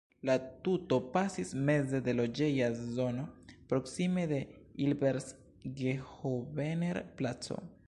La tuto pasis meze de loĝeja zono proksime de Ilversgehovener-placo.